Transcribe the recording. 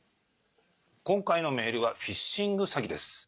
今回のメールはフィッシング詐欺です。